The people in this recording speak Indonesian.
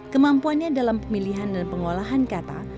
kemampuannya dalam pemilihan dan pengolahan kata